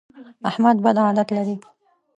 احمد بد عادت لري.